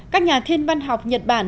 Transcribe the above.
các nhà thiên văn học nhật bản